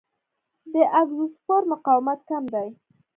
د اګزوسپور مقاومت کم دی.